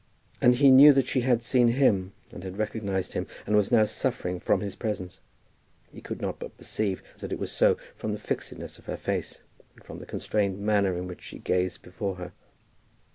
And he knew that she had seen him, and had recognized him, and was now suffering from his presence. He could not but perceive that it was so from the fixedness of her face, and from the constrained manner in which she gazed before her.